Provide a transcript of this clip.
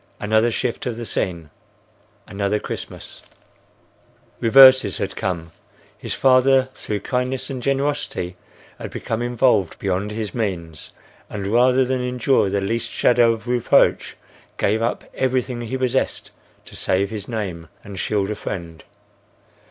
Another shift of the scene; another Christmas. Reverses had come. His father, through kindness and generosity, had become involved beyond his means, and, rather than endure the least shadow of reproach, gave up everything he possessed to save his name and shield a friend.